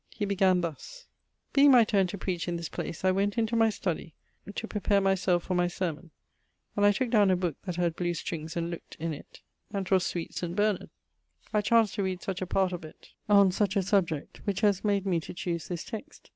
He began thus: 'being my turne to preach in this place, I went into my study to prepare my selfe for my sermon, and I tooke downe a booke that had blew strings, and look't in it, and 'twas sweet Saint Bernard. I chanced to read such a part of it, on such a subject, which haz made me to choose this text